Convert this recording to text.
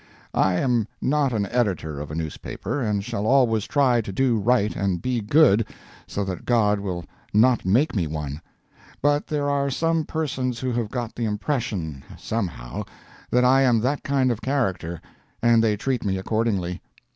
I am not an editor of a newspaper, and shall always try to do right and be good, so that God will not make me one; but there are some persons who have got the impression, somehow, that I am that kind of character, and they treat me accordingly.